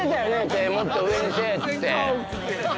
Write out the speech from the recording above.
手もっと上にせぇ！って。